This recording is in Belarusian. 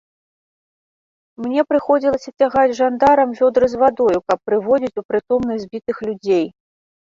Мне прыходзілася цягаць жандарам вёдры з вадою, каб прыводзіць у прытомнасць збітых людзей.